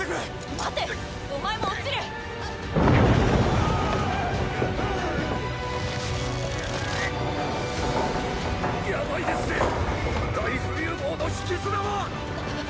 「待て！お前も落ちる」「ヤバいですぜ大浮遊棒の引き綱が！」